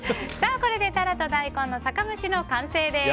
これでタラと大根の酒蒸しの完成です。